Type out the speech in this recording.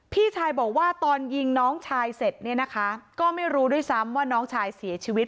พี่ชายบอกว่าตอนยิงน้องชายเสร็จเนี่ยนะคะก็ไม่รู้ด้วยซ้ำว่าน้องชายเสียชีวิต